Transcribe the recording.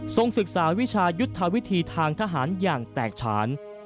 ศึกษาวิชายุทธวิธีทางทหารอย่างแตกฉาน